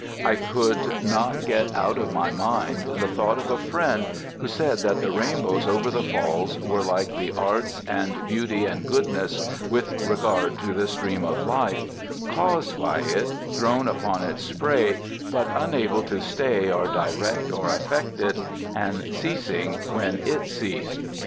I could not get out of my mind the thought of a friend, who said that the rainbows over the Falls were like the arts and beauty and goodness, with regard to the stream of life caused by it, thrown upon its spray, but unable to stay or direct or affect it, and ceasing when it ceased.